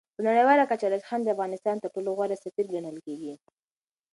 په نړیواله کچه راشد خان د افغانستان تر ټولو غوره سفیر ګڼل کېږي.